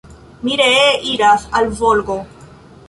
Mi ree iras al Volgo.